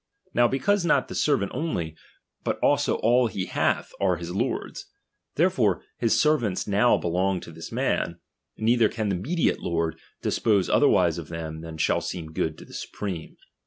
Now because not the servant only, but also all he hath, are his lord's ; therefore his servants now belong to this man, neither can the mediate lord dispose otherwise of them than shall seem good to Ihe supreme.